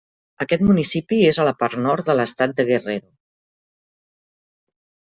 Aquest municipi és a la part nord de l'estat de Guerrero.